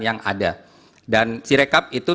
yang ada dan sirekap itu